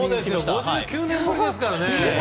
５９年ぶりですからね。